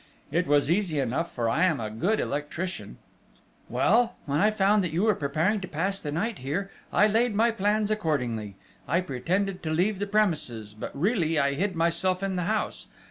It was easy enough, for I am a good electrician.... Well, when I found that you were preparing to pass the night here, I laid my plans accordingly. I pretended to leave the premises, but really I hid myself in the house.